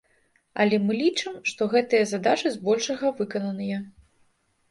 Але мы лічым, што гэтыя задачы збольшага выкананыя.